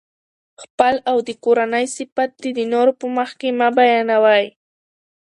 خپل او د کورنۍ صفت دي د نورو په مخکي مه بیانوئ!